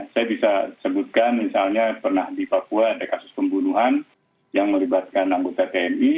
saya bisa sebutkan misalnya pernah di papua ada kasus pembunuhan yang melibatkan anggota tni